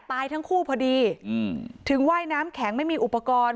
ตายทั้งคู่พอดีถึงว่ายน้ำแข็งไม่มีอุปกรณ์